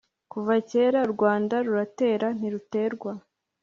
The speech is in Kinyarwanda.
kuva kera u rwanda ruratera ni ruterwa